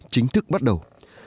chính thức bắt đầu